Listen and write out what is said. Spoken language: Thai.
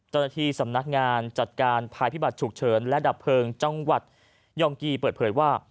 เจ้าหน้าที่สำนักงานจัดการภัยพิบัตรฉุกเฉินและดับเพลิงจังหวัดยองกีเปิดเผยว่า